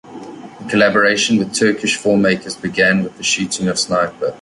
The collaboration with Turkish filmmakers began with the shooting of "Sniper".